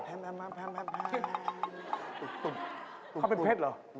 เขาเป็นเพชรเหรอ